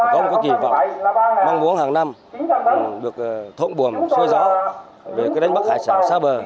không có kỳ vọng mong muốn hàng năm được thuận buồm xuôi gió về đánh bắt hải sản xa bờ